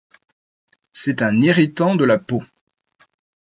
C'est un irritant de la peau.